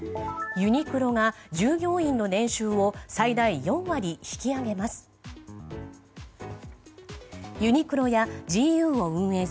ユニクロが、従業員の年収を最大４割引き上げます。